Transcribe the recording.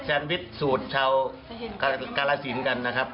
แซนวิชสูตรชาวกาลสินกันนะครับ